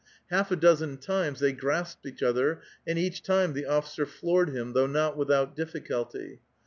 Half a dozen times ^^^y grasped each other, and each time the officer floored him though not without difficulty.